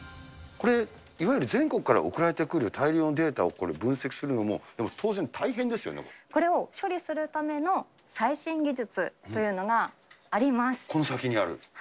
これ、いわゆる全国から送られてくる大量のデータを分析するのも、これを処理するための最新技この先にある？